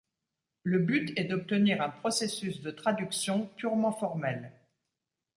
Le but est d'obtenir un processus de traduction purement formel.